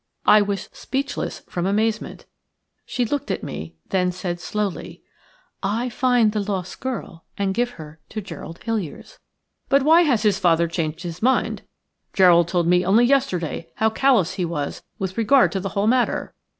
I was speechless from amazement. She looked at me, then said, slowly:– "I find the lost girl and give her to Gerald Hiliers." "But why has his father changed his mind? Gerald told me only yesterday how callous he was with regard to the whole matter."